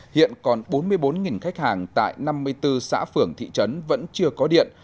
hiện còn bốn mươi bốn khách hàng tại năm mươi bốn xã phường thị trấn vẫn chưa có điện